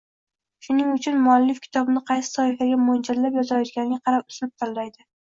Shuning uchun muallif kitobni qaysi toifaga mo‘ljallab yozayotganiga qarab uslub tanlaydi.